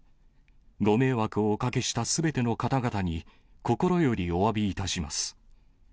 ご迷惑をおかけしたすべての方々に、心よりおわびいたします。